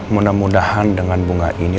mudah mudahan dengan bunga ini